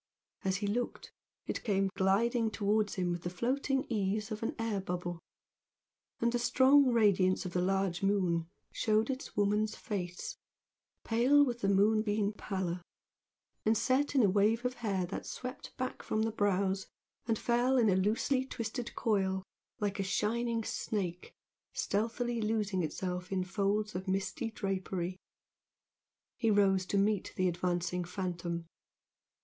As he looked, it came gliding towards him with the floating ease of an air bubble, and the strong radiance of the large moon showed its woman's face, pale with the moonbeam pallor, and set in a wave of hair that swept back from the brows and fell in a loosely twisted coil like a shining snake stealthily losing itself in folds of misty drapery. He rose to meet the advancing phantom.